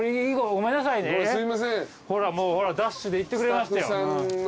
ほらもうダッシュで行ってくれましたよ。